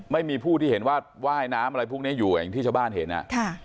ไม่มีผู้ที่เห็นว่าแก้ไหนน้ำอะไรพวกนี้อยู่ที่ชาวบ้านเห็นน่ะ